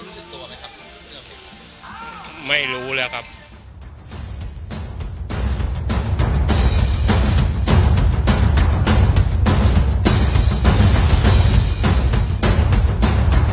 แล้วยังจากที่พวกนั้นต้องไปแล้ว